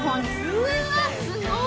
うわ、すごっ。